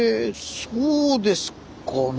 そうですかね？